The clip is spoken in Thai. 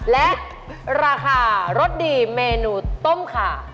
และราคารสดีเมนูต้มขา